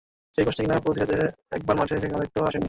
সেই কষ্টে কিনা পুরো সিরিজে একবারও মাঠে এসে খেলা দেখতেও আসেননি।